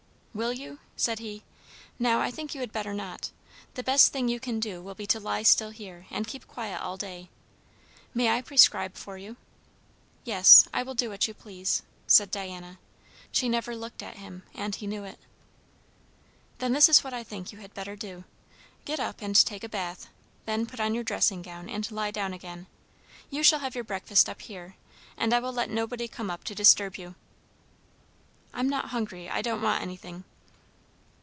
"Will you?" said he. "Now I think you had better not. The best thing you can do will be to lie still here and keep quiet all day. May I prescribe for you?" "Yes. I will do what you please," said Diana. She never looked at him, and he knew it. "Then this is what I think you had better do. Get up and take a bath; then put on your dressing gown and lie down again. You shall have your breakfast up here and I will let nobody come up to disturb you." "I'm not hungry. I don't want anything."